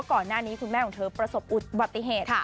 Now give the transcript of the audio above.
ก่อนหน้านี้คุณแม่ของเธอประสบอุบัติเหตุ